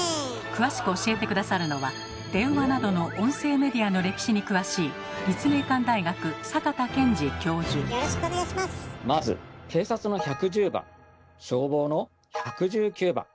詳しく教えて下さるのは電話などの音声メディアの歴史に詳しいまず警察の１１０番消防の１１９番。